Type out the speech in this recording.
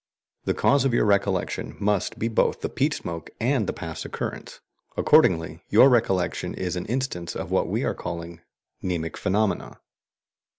The cause of your recollection must be both the peat smoke and the past occurrence. Accordingly your recollection is an instance of what we are calling "mnemic phenomena."